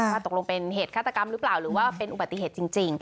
ตกลงเป็นเหตุฆาตกรรมหรือเปล่าหรือว่าเป็นอุบัติเหตุจริง